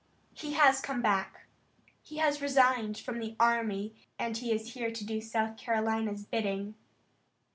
"He has come back. He has resigned from the army, and he is here to do South Carolina's bidding."